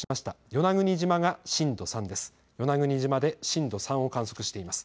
与那国島が震度３です。